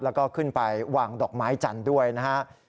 แล้วก็ขึ้นไปวางดอกไม้จันทร์ด้วยนะครับ